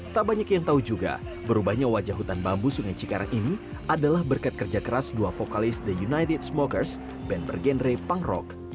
tak banyak yang tahu juga berubahnya wajah hutan bambu sungai cikarang ini adalah berkat kerja keras dua vokalis the united smokers band bergenre pang rock